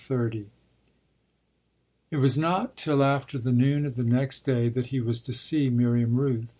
XXX It was not till after the noon of the next day that he was to see Miriam Rooth.